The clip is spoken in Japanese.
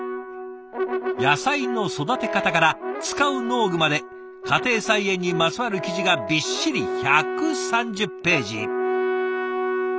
野菜の育て方から使う農具まで家庭菜園にまつわる記事がびっしり１３０ページ。